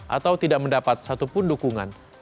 atau tidak mendapat satupun dukungan